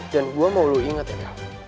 dan gue mau lo inget ya bel